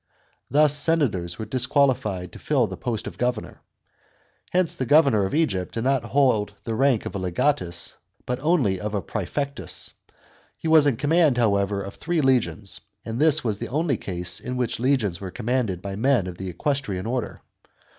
Thus senators were disqualified to fill the post of governor. Hence the governor of Egypt did not hold the rank of a legatus, but only of a prsefectus. He was in command, however, of three legions, and this was the only case in which legions were commanded by men of the eques trian order.